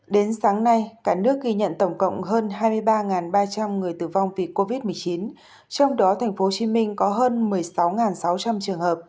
đến sáng nay cả nước ghi nhận tổng cộng hơn hai mươi ba ba trăm linh người tử vong vì covid một mươi chín trong đó tp hcm có hơn một mươi sáu sáu trăm linh trường hợp